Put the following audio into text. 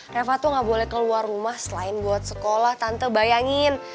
reva tuh ga boleh keluar rumah selain buat sekolah tante bayangin